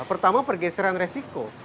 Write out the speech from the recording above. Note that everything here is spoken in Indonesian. pertama pergeseran resiko